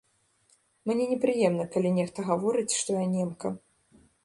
Мне непрыемна, калі нехта гаворыць, што я немка.